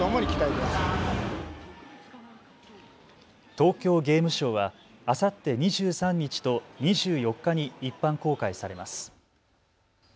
東京ゲームショウはあさって２３日と２４日に一般公開されます。